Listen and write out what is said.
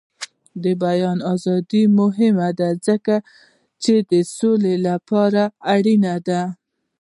د بیان ازادي مهمه ده ځکه چې د سولې لپاره اړینه ده.